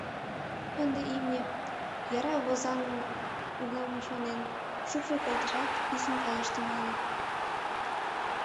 Ынде имне, яра возан улам шонен, шупшыл колтышат, писын каяш тӱҥале.